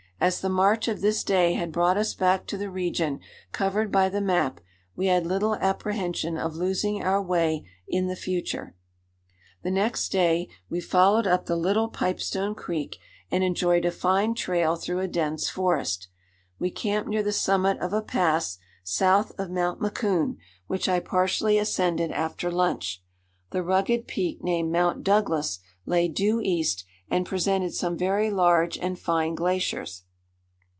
As the march of this day had brought us back to the region covered by the map, we had little apprehension of losing our way in the future. The next day we followed up the Little Pipestone Creek and enjoyed a fine trail through a dense forest. We camped near the summit of a pass south of Mount Macoun, which I partially ascended after lunch. The rugged peak named Mount Douglas lay due east, and presented some very large and fine glaciers.